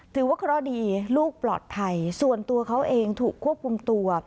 ถือว่าเคราะห์ดีลูกปลอดภัยส่วนตัวเขาเองถูกควบคุมตัว